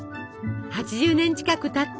８０年近くたった